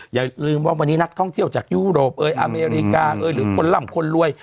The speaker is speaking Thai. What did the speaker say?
อย่าลืมว่าวันนี้นักท่องเที่ยวจากยุโรปเอ๋ยอเมริกาเอยหรือคนร่ำคนรวย